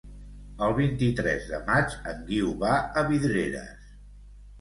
El vint-i-tres de maig en Guiu va a Vidreres.